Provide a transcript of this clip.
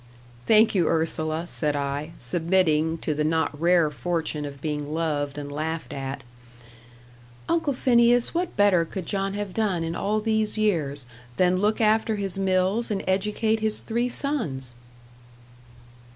"Thank you, Ursula," said I, submitting to the not rare fortune of being loved and laughed at. "Uncle Phineas, what better could John have done in all these years, than look after his mills and educate his three sons?"